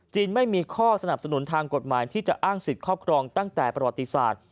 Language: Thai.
ไม่มีข้อสนับสนุนทางกฎหมายที่จะอ้างสิทธิ์ครอบครองตั้งแต่ประวัติศาสตร์